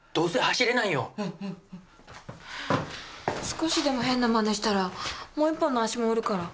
少しでも変な真似したらもう１本の足も折るから。